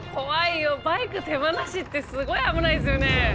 バイク手放しってすごい危ないですよね。